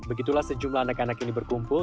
begitulah sejumlah anak anak ini berkumpul